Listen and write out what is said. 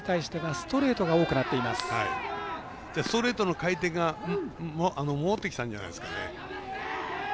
ストレートの回転が戻ってきたんじゃないですかね。